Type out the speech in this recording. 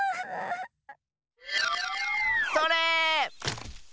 それ！